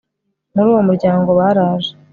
muri uwo muryango baraje